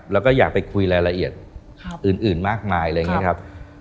แล้วก็อยากไปคุยรายละเอียดอื่นมากมายเลยนะครับ